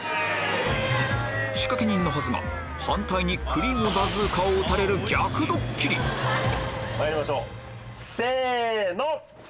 仕掛け人のはずが反対にクリームバズーカを撃たれるまいりましょうせの！